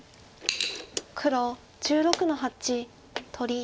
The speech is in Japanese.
黒１６の八取り。